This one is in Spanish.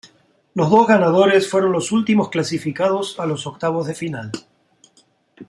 Los dos ganadores fueron los últimos clasificados a los octavos de final.